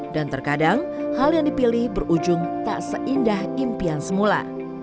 dan terkadang hal yang dipilih berujung tak seindah impian semula